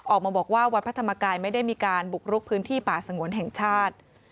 ออกมาบอกว่าวัดพระธรรมกายไม่ได้มีการบุกรุกพื้นที่ป่าสงวนแห่งชาติ